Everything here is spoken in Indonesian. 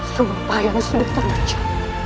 sumpah yang sudah terbaca